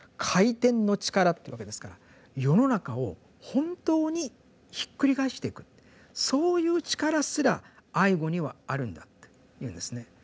「廻天のちから」っていうわけですから世の中を本当にひっくり返していくそういう力すら「愛語」にはあるんだっていうんですね。